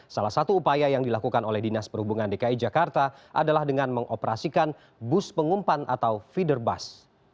salah satu upaya yang dilakukan oleh dinas perhubungan dki jakarta adalah dengan mengoperasikan bus pengumpan atau feeder bus